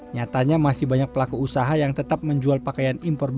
nyatanya masih banyak pelaku usaha yang tetap menjual pakaian impor